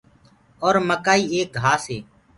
اور مڪآئي ايڪ گھآس هي۔